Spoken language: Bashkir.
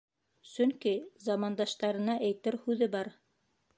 Сөнки замандаштарына әйтер һүҙе бар.